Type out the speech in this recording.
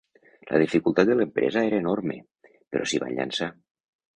La dificultat de l'empresa era enorme, però s'hi van llançar.